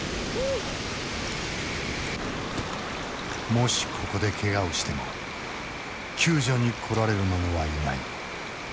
もしここでケガをしても救助に来られる者はいない。